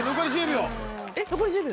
残り１０秒。